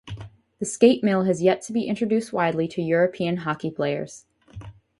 The skatemill has yet to be introduced widely to European hockey players.